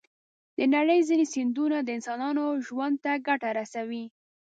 د نړۍ ځینې سیندونه د انسانانو ژوند ته ګټه رسوي.